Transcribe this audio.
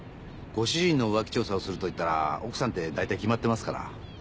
ご主人の浮気調査をするといったら奥さんってだいたい決まってますから。